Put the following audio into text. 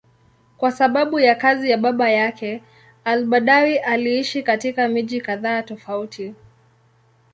Kwa sababu ya kazi ya baba yake, al-Badawi aliishi katika miji kadhaa tofauti.